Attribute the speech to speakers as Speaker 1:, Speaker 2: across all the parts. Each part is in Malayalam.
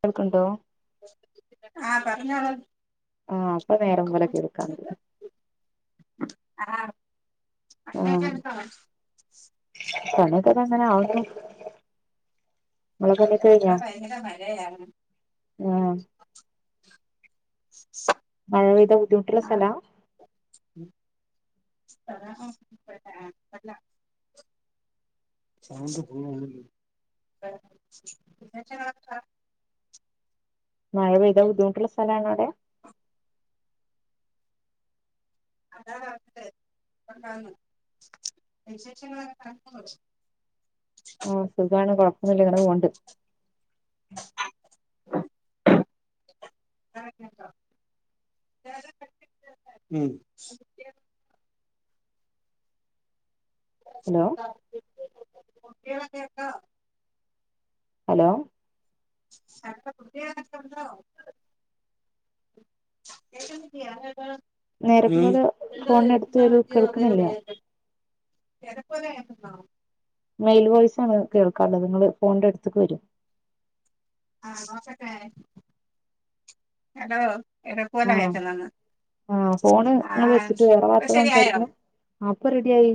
Speaker 1: കേൾക്കണ്ടോ
Speaker 2: ആ പറഞ്ഞോളു
Speaker 1: ആ അപ്പൊ നേരം പോലെ കേൾക്കാണ്ട്
Speaker 2: ആ
Speaker 1: ആഹ്
Speaker 2: പണിയൊക്കെയൊണ്ടോ
Speaker 1: പണിയൊക്കെ ദാ ഇങ്ങനെ ആവുന്നു ഇങ്ങളെ പണിയൊക്കെ
Speaker 2: ഇവിടെ
Speaker 1: കഴിഞ്ഞോ
Speaker 2: ഭയങ്കര മഴയാണ്
Speaker 1: ആം മഴെപെയ്താ ബുദ്ധിമുട്ടുള്ള സ്ഥലാ
Speaker 2: ആഹ് [unintelligible] സൗണ്ട് പോവാണല്ലോ [unintelligible]
Speaker 1: മഴ പെയ്താ ബുദ്ധിമുട്ടുള്ള സ്ഥലാണോ അവിടെ
Speaker 2: [unintelligible]
Speaker 1: ആ സുഖാണ് കോഴപ്പൊന്നില്ല ഇങ്ങനെ പോകണ്ട്.
Speaker 2: [unintelligible] ഉം
Speaker 1: ഹലോ
Speaker 2: കുട്ടികളൊക്കെ ഒണ്ടോ
Speaker 1: ഹലോ
Speaker 2: [unintelligible] ഒക്കെ ഉണ്ടോ? കേക്കുന്നില്ലേ
Speaker 1: നേരക്ക് പോലെ
Speaker 2: [unintelligible]
Speaker 1: ഫോണിന് അടുത്ത് വരൂ കേൾക്കണില്ല
Speaker 2: ഉം ചെലപ്പത് [unintelligible]
Speaker 1: മെയിൽ വോയിസ് ആണ് കേൾക്കാൻള്ളത് നിങ്ങള് ഫോണിന്റെ അട്ത്ത്ക്ക് വെരോ
Speaker 2: ആഹ് നോക്കട്ടെ ഹലോ
Speaker 1: ആഹ്
Speaker 2: [unintelligible]
Speaker 1: ആഹ് ഫോണ് നിങ്ങള്
Speaker 2: ആഹ്
Speaker 1: വെച്ചിട്ട് വേറെ
Speaker 2: ഇപ്പൊ
Speaker 1: വാത്ത
Speaker 2: ശരിയായോ
Speaker 1: സംസാരിക്ക്ന്നേ ആഹ് ഇപ്പൊ റെഡിയായി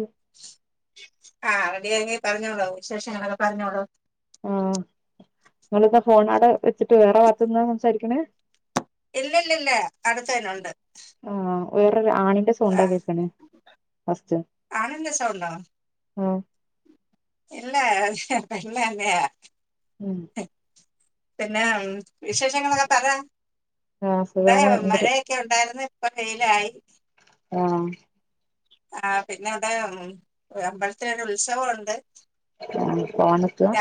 Speaker 2: ആഹ് റെഡിയായെങ്കി പറഞ്ഞോളൂ വിശേഷങ്ങളോക്കെ പറഞ്ഞോളൂ
Speaker 1: ആഹ് നിങ്ങളെന്താ ഫോണടെ വെച്ചിട്ട് വേറെ വാത്ത്ന്നാ സംസാരിക്ക്ണേ?
Speaker 2: ഇല്ല ല്ലല്ല അട്ത്തേനെണ്ട്
Speaker 1: ആഹ് വേറൊരു ആണിന്റെ സൗണ്ടാ കേക്ക്ണേ ഫസ്റ്റ്
Speaker 2: ആണിന്റെ സൗണ്ടോ
Speaker 1: ആഹ്
Speaker 2: ഇല്ല [unintelligible]
Speaker 1: ഉം
Speaker 2: പിന്നേം വിശേഷങ്ങളൊക്കെ പറ
Speaker 1: ആഹ്
Speaker 2: ഇടെ
Speaker 1: സുഖാണ് എന്തൊരു
Speaker 2: മഴയൊക്കെ ഉണ്ടായിരുന്നു ഇപ്പൊ വെയിലായി
Speaker 1: ആഹ്
Speaker 2: ആഹ് പിന്നെ ഇവടെ അമ്പലത്തിലൊരു ഉത്സവണ്ട്
Speaker 1: ആഹ് പോവാന്ന്ക്കാ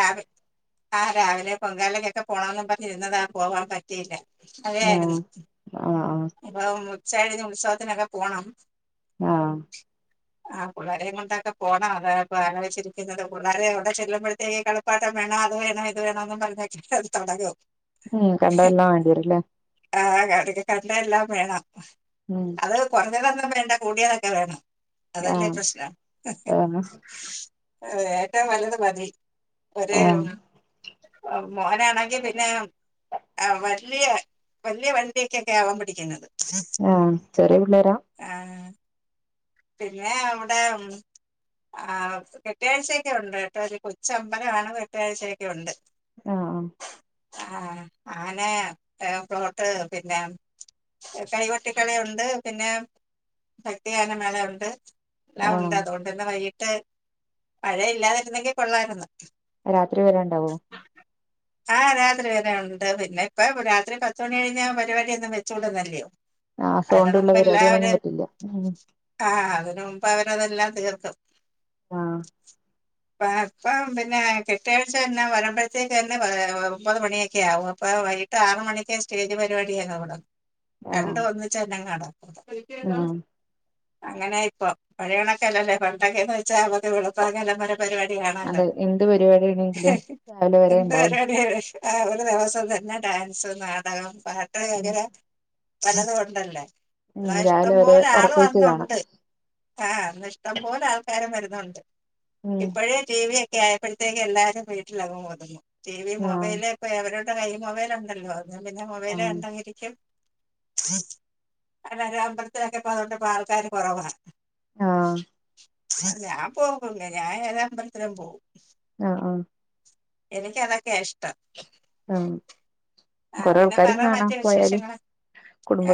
Speaker 2: ആഹ് രാവിലെ പൊങ്കാലക്കൊക്കെ പോണംന്ന് പറഞ് ഇര്ന്നതാ പോവാൻ പറ്റ് റ്റിയില്ല മഴ
Speaker 1: ആഹ്
Speaker 2: ആയിരുന്നു
Speaker 1: ആഹ്
Speaker 2: അപ്പൊ ഉച്ച കഴിഞ് ഉത്സവത്തിനൊക്കെ പോണം
Speaker 1: ആഹ്
Speaker 2: ആഹ് പിള്ളാരേം കൊണ്ടൊക്കെ പോണം അതാ പ്പം ആലോയ്ച്ച് ഇരിക്കുന്നത് പിള്ളേരെ അവിടെ ചെല്ലുമ്പോഴത്തെക്കും പാട്ടം വേണം അത്‌ വേണം ഇത് വേണം ന്ന് പറഞ് ഒക്കെ തോടങ്ങും
Speaker 1: ഉം കണ്ടെതെല്ലാം വേണ്ടി വരുല്ലേ?
Speaker 2: ആഹ് കണ്ടെല്ലാം വേണം
Speaker 1: ഉം
Speaker 2: അത് കുറഞ്ഞതൊന്നും വേണ്ട കൂടിയതൊക്കെ വേണം അതല്ലേ
Speaker 1: ആഹ്
Speaker 2: പ്രശ്നം
Speaker 1: ആഹ്
Speaker 2: ഏറ്റവും നല്ലത് മതി ഒര്
Speaker 1: ആഹ്
Speaker 2: മോനാണെങ്കി പിന്നെ ആഹ് വല്ല്യേ വല്ല്യേ വണ്ടിയൊക്കൊ ക്കെ അവൻ പിടിക്കുന്നത്
Speaker 1: ആഹ് ചെറിയ പിള്ളേരാ
Speaker 2: ആഹ് പിന്നെ ഔടെ ആഹ് കെട്ടിയാഴ്ചയൊക്കെ ഉണ്ട് ഏട്ടോ ഒരു കൊച്ചമ്പലമാണ് കെട്ടിയാഴ്ചയൊക്കെ ഉണ്ട്
Speaker 1: ആഹ്
Speaker 2: ആഹ് ആനെ പ്ലോട്ട് പിന്നെ കൈകൊട്ടിക്കളിയുണ്ട്, പിന്നെ ഭക്തിഗാനം മലെ ഉണ്ട് എല്ലാം
Speaker 1: ആഹ്
Speaker 2: ഉണ്ട് അതൊണ്ട് പിന്നെ വൈകിട്ട് മഴ ഇല്ലാതിരുന്നെങ്കി കൊള്ളായിരുന്നു
Speaker 1: രാത്രി വെരെണ്ടാവോ?
Speaker 2: ആഹ് രാത്രി വരെ ഉണ്ട് പിന്നെ ഇപ്പ രാത്രി പത്തുമണി കഴിഞ്ഞാ പരിപാടിയൊന്നും വെച്ചു കുടുന്നല്ല്യോ
Speaker 1: ആഹ് സൗണ്ടുള്ള പരിപാടികളൊന്നും പറ്റില്ല ഉം
Speaker 2: ആഹ് അതിന് മുമ്പ് അവരതെല്ലാം തീർക്കും
Speaker 1: ആഹ്
Speaker 2: ഇപ്പം പിന്നെ കെട്ട്കാഴ്ച്ച തന്നെ വരുമ്പോഴത്തേക്ക് തന്നെ പ ഒമ്പത് മണിയൊക്കെ ആകും അപ്പ വൈ ട്ട് ആറ് മണിക്കെ സ്റ്റേജ് പരിപാടിയൊക്കെ വടെ
Speaker 1: ആഹ്
Speaker 2: രണ്ടും ഒന്നിച്ചങ്ങനെ നടത്തും
Speaker 1: ആഹ്
Speaker 2: അങ്ങനെയാ ഇപ്പം [unintelligible] പണ്ടൊക്കെന്ന് വെച്ചാൽ [unintelligible] പര് വാടി വേണാലൊ
Speaker 1: അതെ എന്ത്
Speaker 2: ഹെ
Speaker 1: പരിപാടിയാണെങ്കിലും രാവിലെ വരെ
Speaker 2: എന്ത്
Speaker 1: ഇണ്ടാവും
Speaker 2: പര് വാട്യശം ആ ഒര് ദിവസം തന്നെ ഡാൻസ്, നാടകം, പാട്ട്, അങ്ങനെ പലതും ഉണ്ടല്ലേ
Speaker 1: ഉം
Speaker 2: ങ്ങളെ
Speaker 1: രാവിലെ
Speaker 2: ഇഷ്ടം
Speaker 1: വരെ
Speaker 2: പോലെ ആള് വ
Speaker 1: ഒറക്കൊഴിച്ച് കാണാം
Speaker 2: ആ ഇഷ്ടംപോലെ ആൾക്കാരും വരുന്നുണ്ട്
Speaker 1: ഉം
Speaker 2: ഇപ്പഴേ ടീ വീ ക്കെ ആയപ്പെത്തേക്ക് എല്ലാരും വീട്ടിലങ്ങ് ഒതുങ്ങും ടി വി,
Speaker 1: ആഹ്
Speaker 2: മൊബൈല്, ക്ക് അവര്ടെ കൈ മൊബൈലുണ്ടല്ലോ. പിന്നെ മൊബൈൽ
Speaker 1: ആഹ്
Speaker 2: കണ്ടെങ്ങരി ക്കും [unintelligible] അമ്പൽ ത്തിലൊക്ക്യാപ്പഅതൊണ്ടപ്പ ആൾക്കാര് കുറവാ.
Speaker 1: ആഹ്.
Speaker 2: ഞാ പോവുപ്പങ്ങന്യാ ഞാൻ ഏതമ്പലൽത്തിലും പോവും.
Speaker 1: ആ ആ.
Speaker 2: എനിക്കതൊക്കെഇഷ്ടം.
Speaker 1: മ്. കൊറെ
Speaker 2: പിന്നെ
Speaker 1: ആൾക്കാരിം
Speaker 2: പറ
Speaker 1: കാണാ
Speaker 2: മറ്റു
Speaker 1: പോയാല്
Speaker 2: വിശേഷങ്ങൾ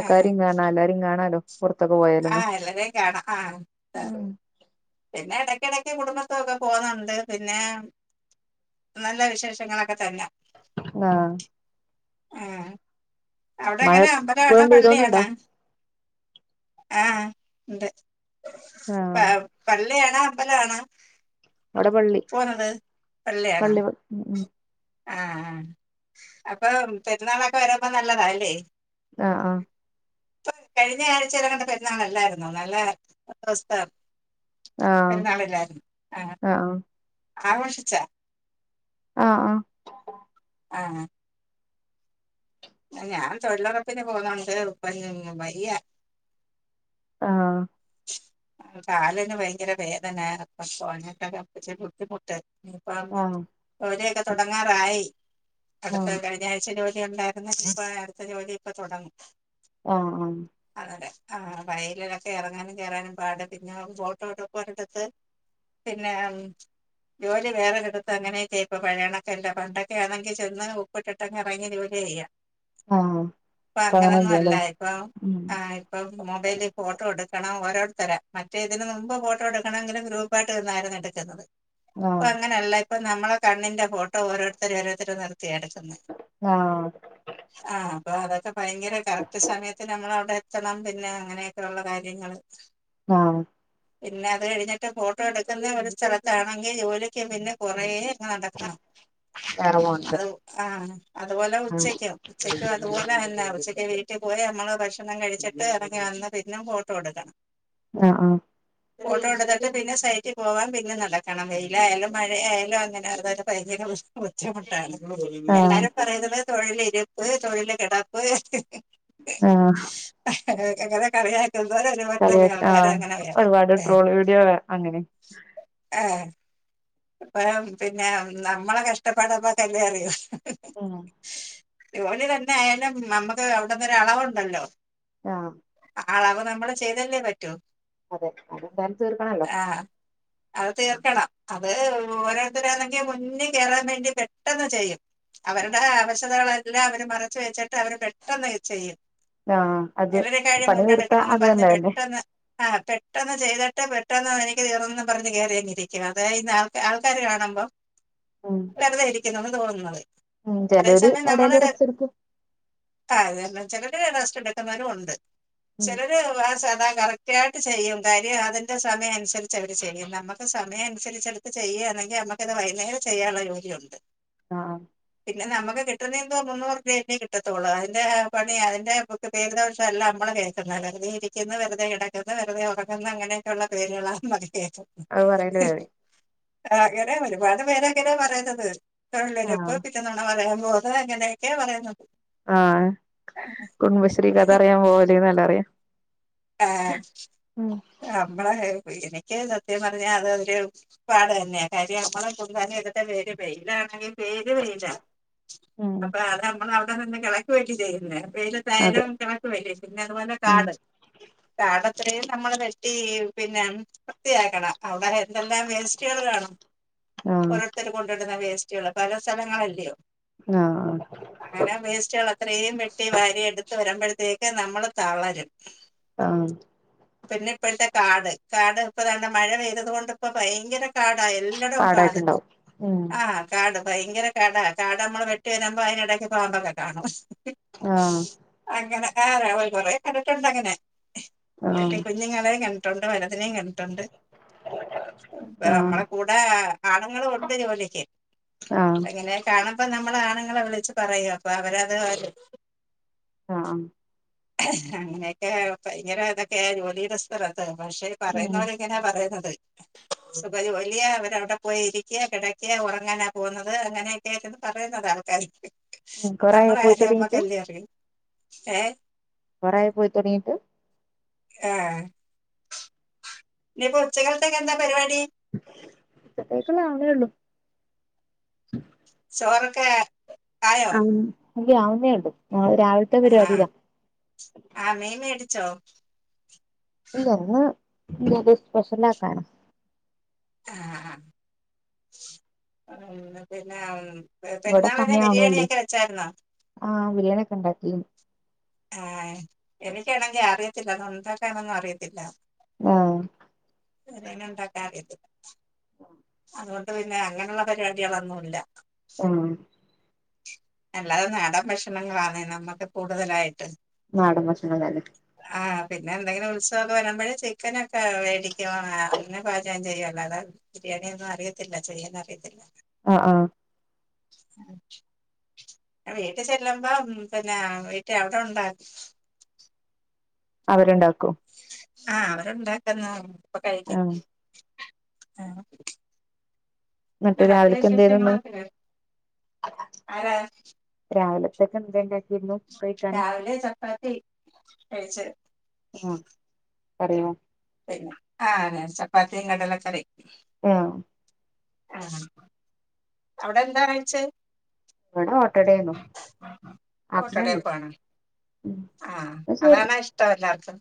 Speaker 2: ആ
Speaker 1: കാണാ എല്ലാരിം കാണാലോ. പൊർത്തൊക്കെ
Speaker 2: ആ
Speaker 1: പോയാലൊന്ന്
Speaker 2: എല്ലാരെയും കാണാം ആ
Speaker 1: മ്.
Speaker 2: പിന്നെ എടക്കെടക്ക് കുടുംബത്തൊക്കെ പോവുന്നുണ്ട് പിന്നെ നല്ല വിശേഷങ്ങളൊക്കെ തന്നെ.
Speaker 1: ആഹ്.
Speaker 2: ആ
Speaker 1: മഴ
Speaker 2: അവ്ടെങ്ങനെ അമ്പലണോ
Speaker 1: ഇപ്പഴും പെയ്തോണ്ട്ണ്ടോ
Speaker 2: പള്ളിയാണോ? ആഹ് ഇണ്ട് പ
Speaker 1: ആഹ്
Speaker 2: പള്ളിയാണോ അമ്പലാണോ?
Speaker 1: ഇവിടെ പള്ളി
Speaker 2: പള്ളിയാണോ
Speaker 1: പള്ളി ഉം ഉം.
Speaker 2: ആ ആ അപ്പൊ പെര്ന്നാളൊക്കെ വരുമ്പോ നല്ലതാല്ലേ?
Speaker 1: ആഹ് ആഹ്.
Speaker 2: പ്പ കഴിഞ്ഞ ആഴ്ച്ചേലങ്ങട് പെര് ന്നാളല്ലായ്ന്നോ നല്ലസ്ഥ
Speaker 1: ആഹ്
Speaker 2: പെര്ന്നാളില്ലായിരുന്നു ആ
Speaker 1: ആഹ്
Speaker 2: ആഘോഷിച്ചോ?
Speaker 1: ആ ആ.
Speaker 2: ആഹ്. ഞാൻ തൊഴിലുറപ്പിന് പോവ്ന്നോട് ഇപ്പയ്ന് വയ്യാ.
Speaker 1: ആഹ്.
Speaker 2: കാലിന് ഭയങ്കര വേദന അപ്പൊ പോവാനൊപ്പച്ചിരി ബുദ്ധിമുട്ട്. അ
Speaker 1: ആഹ്
Speaker 2: ഒരെക്കെ തൊടങ്ങാറായി
Speaker 1: ആഹ് ആഹ്
Speaker 2: അടുത്തകഴി ഈ ആയ്ച്ച ജോലി ഉണ്ടാർന്നു ഇഞ്ഞിപ്പോ അട്ത്ത ജോലി ഇപ്പം തൊടങ്ങും.
Speaker 1: ആഹ് ആഹ്.
Speaker 2: അതലെ ആ വയലിലൊക്കെ എറങ്ങാനും കേറാനും പാട് പിന്നെ ഫോട്ടോട്ടോക്കെട്ത്ത് പിന്നെ ജോലി വേറെകെട് ത്ത് അങ്ങനൊക്കെ ഇപ്പൊ പഴയണക്കെല്ലോ പണ്ടൊക്കെ ആണെങ്കി ചെന്ന് ഒ പെട്ടട്ടറങ്ങി ജോലി ചെയ്യാം
Speaker 1: ആഹ് ആഹ്
Speaker 2: ഇപ്പൊ
Speaker 1: ഇപ്പ
Speaker 2: അങ്ങനൊന്നും അല്ല
Speaker 1: അങ്ങനെല്ല്യാല്ലേ
Speaker 2: ഇപ്പൊ
Speaker 1: ഉം
Speaker 2: ആ ഇപ്പം മൊബൈല്ല് ഫോട്ടോ എട് ക്കണം ഓരോര്ത്തരെ മറ്റേ ഇതിന് മുമ്പ് ഫോട്ടോ എട്ക്കണെങ്കിൽ ഗ്രൂപ്പായിട്ട് നിന്നായിരുന്നു എട്ക്ക് ന്നത്. ഇപ്പ
Speaker 1: ആഹ്
Speaker 2: അങ്ങനെയല്ല ഇപ്പൊ നമ്മളെ കണ്ണിന്റെ ഫോട്ടോ ഓരോര്ത്തരെ ഓരോര്ത്തരെ നിർത്തിയ എട്ക്ക്ന്നെ.
Speaker 1: ആഹ്.
Speaker 2: ആ അപ്പൊ അതൊക്കെ ഭയങ്കര കറക്ട് സമയത്തിന് അങ്ങളവ്ടെ എത്തണം പിന്നെ അങ്ങനെയൊക്കെള്ള കാര്യ ര്യങ്ങള്.
Speaker 1: ആഹ്.
Speaker 2: പിന്നെ അത് കഴിഞ്ഞിട്ട് ഫോട്ടോ എട്ക്ക്ന്നെ ഒരു സ്ഥലത്താണെങ്കി ജോലിക്ക് പിന്നെ കൊറേ നടക്കണം
Speaker 1: വേറെ ഫോണില്
Speaker 2: അത് ആ അതുപോലെ
Speaker 1: ആഹ്
Speaker 2: ഉച്ചക്കും. ഉച്ചക്ക് അതുപോലെ തന്നെ ഉച്ചക്ക് വീട്ടി പോയി അമ്മള് ഭക്ഷണം കഴിച്ചിട്ട് ഇറങ്ങി വന്ന് പിന്നെ പോ തൊടക
Speaker 1: ആഹ് ആഹ്.
Speaker 2: ഫോട്ടോ എടുത്തിട്ട് പിന്നെ സൈറ്റിൽ പോവാൻ പിന്നെ നടക്കണം വെയിലായാലും മഴയായാലും അങ്ങനെ [unintelligible] ബുദ്ധിമുട്ടാണ്
Speaker 1: ആഹ് ആഹ്
Speaker 2: എല്ലാരും പറയുന്നത് തൊഴിൽ ഇരിപ്പ് തൊഴില് കെടപ്പ്
Speaker 1: ആഹ
Speaker 2: അങ്ങനെ കളിയാക്കി എന്താ [unintelligible]
Speaker 1: കളിആക്കി ആഹ് ഒരുപാട് ട്രോള് വീഡിയോ ആണ് അങ്ങനെ
Speaker 2: എഹ് അപ്പഴേ പിന്നെ നമ്മളെ കഷ്ടപ്പാട് നമ്മക്ക്ല്ലേ അറിയൂ
Speaker 1: ആഹ്
Speaker 2: ജോലി തന്നെ ആയാലും നമ്മക്ക് അവിടെന്നൊരു അളവുണ്ടല്ലോ
Speaker 1: ആഹ്
Speaker 2: ആഹ് അളവ് നമ്മള് ചെയ്തല്ലേ പറ്റു
Speaker 1: അതെ അതെന്തായാലും തീർക്കണല്ലോ
Speaker 2: അത് തീർക്കണം അത് ഓരോരുത്തരാണെങ്കി മുന്നേ കേറാൻ വേണ്ടി പെട്ടെന്ന് ചെയ്യും അവര്ടെ അവശതകളെല്ലാം അവര് മറച്ച് വെച്ചിട്ട് അവര് പെട്ടെന്ന് ചെയ്യും
Speaker 1: ആഹ് അത്
Speaker 2: എവരെക്കായും
Speaker 1: പണി തീർത്താ
Speaker 2: മുന്നെടുക്കണംന്ന്
Speaker 1: അത്
Speaker 2: പറഞ്ഞ്
Speaker 1: തന്നെയല്ലേ
Speaker 2: പെട്ടെന്ന് ആഹ് പെട്ടെന്ന് ചെയ്തിട്ട് പെട്ടെന്ന് എനിക്ക് തീർന്നൊന്ന് പറഞ്ഞ് കേറിയങ്ങു ഇരിക്കുക അതായത് ഈ ആൾ ആൾക്കാര് കാണുമ്പോ
Speaker 1: ഉം
Speaker 2: കരുതായിരിക്കുന്നുന്ന് തോന്നുന്നത്
Speaker 1: ഉം ചെലോര് എവ്ടേലും റെസ്റ്റ് എടുക്കും
Speaker 2: ആഹ് അത് തന്നെ ചിലര് റെസ്റ്റ്ടുക്കുന്നവരും ഉണ്ട്
Speaker 1: ഉം
Speaker 2: ചിലര് വ സാധ കറക്റ്റ് കൃത്യായിട്ട് ചെയ്യും കാര്യം അതിന്റെ സമയം അനുസരിച്ച് അവര് ചെയ്യും നമുക്ക് സമയം ചെലത് ചെയ്യുകയാണെങ്കിൽ നമ്മുക്കത് വൈന്നേരം ചെയ്യാനുള്ള ജോലിയുണ്ട്
Speaker 1: ആഹ് ആഹ്
Speaker 2: പിന്നെ നമുക്ക് കിട്ടുന്നത് എന്തോ മുന്നൂറ് റുപ്പിയൊക്കേ കിട്ടത്തൊള്ളൂ അതിന്റെ പണി അതിന്റെ പേരുദോഷെല്ലാം നമ്മള് കേൾക്കുന്നത് വെറുതെ ഇരിക്ക്ന്ന് വെറുതെ കെടക്ക്ന്നു വെറുതെ ഉറങ്ങ്ന്നു അങ്ങനെ ഉള്ള പേരുകളാ മതിപ്പേറ്റം
Speaker 1: അത് പറയല് ഞാൻ
Speaker 2: ആഹ് അങ്ങനെ ഒരുപാട് പേരങ്ങനാ പറയ്ന്നത്
Speaker 1: ആഹ്
Speaker 2: തൊഴിലിരിപ്പ് പിറ്റെന്ന് നുണ പറയാൻപോ അത് അങ്ങനെയൊക്കെയാ പറയുന്നത്
Speaker 1: ആഹ കുടുംബശ്രീ കഥറിയാൻ പോവല്ന്നല്ലേ പറിയാ
Speaker 2: ആഹ നമ്മളെ എനിക്ക് സത്യം പറഞ്ഞാ അത് അവര് പാട് തന്നെയാ കാര്യം നമ്മളെ കൊത്താന് എടുത്ത ഏരിയ വെയിലാണെങ്കിൽ പെരും വെയില
Speaker 1: ഉം
Speaker 2: അപ്പൊ അത് നമ്മൾ അവിടെ നിന്ന് കിളക്ക് അല്ലെ ചെയ്യുന്നേ വെയി
Speaker 1: അത്
Speaker 2: തരം കണക്ക് വെയിൽ പിന്നെ അതുപോലെ
Speaker 1: ഉം
Speaker 2: കാട് കാട് അത്രയും നമ്മള് വെട്ടി പിന്നെ വൃത്തിയാക്കണം അവിടെ എന്തെല്ലാം വേസ്റ്റ്കള് കാണും
Speaker 1: ആഹ്
Speaker 2: ഓരോരുത്തര് കൊണ്ട്ടുന്ന വേസ്റ്റുകള് പല സ്ഥലങ്ങളല്ലെയോ
Speaker 1: ആഹ
Speaker 2: അങ്ങനെ വേസ്റ്റുകൾ അത്രേയും വെട്ടി വാരി എടുത്ത് വരുമ്പഴത്തേക്ക് നമ്മള് തളരും
Speaker 1: ആഹ്
Speaker 2: പിന്നെ ഇപ്പഴത്തെ കാട് കാട് ഇപ്പതാണ്ടെ മഴ പെയ്തത്കൊണ്ട് ഇപ്പ ഭയ്ങ്കര കാടാ എല്ലടവും കാട്
Speaker 1: കാടായിട്ടുണ്ടാവും ഉം
Speaker 2: ആഹ കാട് ഭയങ്കര കടാ കാട് നമ്മള് വെട്ടി വരാമ്പോ അയിനിടയ്ക്ക് പാമ്പൊക്കെ കാണും
Speaker 1: ആഹ്
Speaker 2: അങ്ങനെ ആഹ് കൊറേ കണ്ടിട്ടുണ്ട് അങ്ങനെ എന്റെ
Speaker 1: ആഹ്
Speaker 2: കുഞ്ഞുങ്ങളെ ട്ടുണ്ട് വനത്തിനേം കണ്ടിട്ടുണ്ട് ഇപ്പ
Speaker 1: ആഹ്
Speaker 2: നമ്മളെ കൂടെ ആണുങ്ങളും ഒണ്ട് ജോലിക്ക്
Speaker 1: ആഹ്
Speaker 2: എങ്ങനെ കാണ അപ്പൊ നമ്മള് ആണുങ്ങളെ വിളിച്ച് പറയും അപ്പൊ അവരത്
Speaker 1: ആഹ് ആഹ്
Speaker 2: അങ്ങനെയ ഭയങ്കര ഇതൊക്കെയ ജോലിയുടെ സ്ഥലത്ത് പക്ഷെ
Speaker 1: ഉം
Speaker 2: പറയുന്നവര് ഇങ്ങനെയാ പറയുന്നത് സുപരി വലിയ അവരവിടെ പോയി ഇരിക്കെ കെടക്ക ഉറങ്ങാനാ പോകുന്നത് അങ്ങനെ ട്ടേന്ന് പറയുന്നത ആൾക്കാര്
Speaker 1: ഉം
Speaker 2: നമ്മള
Speaker 1: കൊറേയായോ പോയി
Speaker 2: കാര്യം
Speaker 1: തൊടങ്ങീട്ട്
Speaker 2: നമ്മക്കല്ലേഅറിയൂ
Speaker 1: കുറയ പോയി തുടങ്ങീട്ട്
Speaker 2: ആഹ് ഇനിപ്പോ ഉച്ചക്കാലത്ത് ക്കെന്താ പരിപാടി
Speaker 1: ച്ചതേകുള്ള അവണെഒള്ളു
Speaker 2: ചോറൊക്കെ ആയോ
Speaker 1: ആയ ആവുന്നേ ഒള്ളു
Speaker 2: ആഹ് ആഹ് മീൻ മേടിച്ചോ
Speaker 1: ഇല്ലന്ന് ഇത് സ്പെഷ്യലന്ന്
Speaker 2: ആഹ് ഉം പിന്നെ
Speaker 1: ഇവിടെ
Speaker 2: പെരുന്നാളിനു
Speaker 1: സമയാവണേയുള്ളേ
Speaker 2: ബിരിയാണിയൊക്കെ വെച്ചായിരുന്നോ
Speaker 1: ആഹ് ബിരിയാണിഒക്കെണ്ടാക്കി
Speaker 2: ആഹ് എനിക്കാണെങ്കിൽ അറിയത്തില്ല അത് ഉണ്ടാക്കാനൊന്നും അറിയത്തില്ല
Speaker 1: ആഹ്
Speaker 2: ബിരിയാണിണ്ടാക്കാൻ അറിയത്തില്ല അതോണ്ട് പിന്നെ അങ്ങനെയുള്ള പരിപാടിയാളൊന്നും ഇല്ല
Speaker 1: ഉം
Speaker 2: അല്ലാതെ നാടൻ ഭക്ഷണങ്ങളാണ് നമ്മക്ക് കൂടുതലായിട്ട്
Speaker 1: നാടൻ ഭക്ഷണം തന്നെ
Speaker 2: ആഹ് പിന്നെ എന്തെങ്കിലും ഉത്സവം വരുമ്പോഴേ ചിക്കനൊക്കെ വേടിക്കും ആഹ് പാചകം ചെയ്യും അല്ലാതെ ബിരിയാണിയൊന്നും അറിയത്തില്ല ചെയ്യാൻ അറിയത്തില്ല
Speaker 1: ആഹ് ആഹ്
Speaker 2: [inaudible] വീട്ടിൽ ചെല്ലുമ്പോ പിന്നെ വീട്ടിൽ അവിടെ ഉണ്ടാക്ക്
Speaker 1: അവരുണ്ടാക്കും
Speaker 2: ആഹ് അവരുണ്ടാക്കുന്നു അപ്പൊ കഴിക്കും
Speaker 1: ആഹ്
Speaker 2: ആഹ്
Speaker 1: മറ്റോ രാവിലക്കോത്തിന്ന്
Speaker 2: അരാ
Speaker 1: രാവിലത്തേക്ക് എന്താ ഉണ്ടാക്കിയിരുന്നു കഴിക്കാന്
Speaker 2: രാവിലെ ചപ്പാത്തി എയ്ചൽ
Speaker 1: ആഹ് പറയോ
Speaker 2: ആഹ് ചപ്പാത്തി കടലകറിം
Speaker 1: ആഹ്
Speaker 2: ഹാ അവിടെ എന്താ കയിച്ചേ
Speaker 1: ഇവടെ ഓട്ടടേനു
Speaker 2: ഓട്ടടയപാണ്
Speaker 1: ഉം
Speaker 2: ആഹ്
Speaker 1: ന്നാ ശരി
Speaker 2: അതണെ ഇഷ്ടം എല്ലാർക്കും